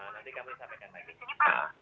nanti kami sampaikan lagi